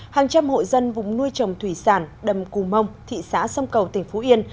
hàng trăm hộ dân vùng nuôi trồng thủy sản đầm cù mông thị xã sông cầu tỉnh phú yên